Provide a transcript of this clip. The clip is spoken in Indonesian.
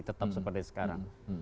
tetap seperti sekarang